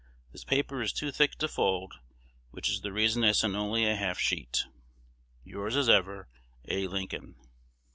This paper is too thick to fold, which is the reason I send only a halfsheet. Yours as ever, A. Lincoln.